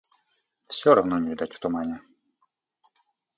Все равно не видать в тумане.